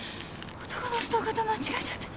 男のストーカーと間違えちゃって。